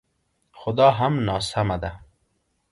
خو دا هم ناسمه ده